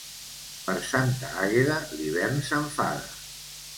Per Santa Àgueda, l'hivern s'enfada.